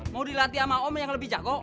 mau dilatih sama om yang lebih jago